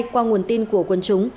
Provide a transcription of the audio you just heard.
qua nguồn tin của quân chúng